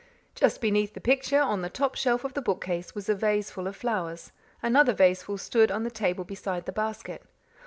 Just beneath the picture, on the top shelf of the bookcase, was a vaseful of flowers. Another vaseful stood on the table beside the basket.